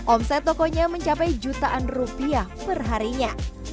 omset tokonya mencapai jutaan rupiah perharinya